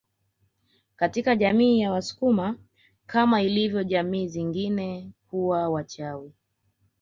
Katika jamii ya wasukuma kama ilivyo jamii zingine kuna wachawi